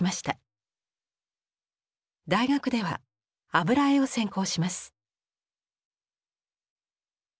大学では油絵を専攻します。